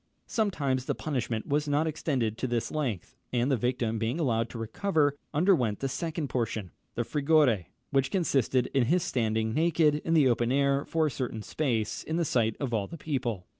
Sometimes the punishment was not extended to this length, and the victim being allowed to recover, underwent the second portion, the frigore, which consisted in his standing naked in the open air, for a certain space, in the sight of all the people.